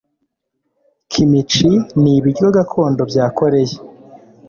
Kimchi ni ibiryo gakondo bya koreya.